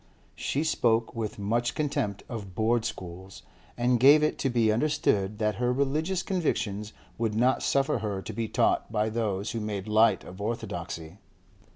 She spoke with much contempt of Board schools, and gave it to be understood that her religious convictions would not suffer her to be taught by those who made light of orthodoxy.